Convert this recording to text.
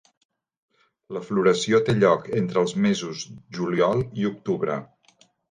La floració té lloc entre els mesos juliol i octubre.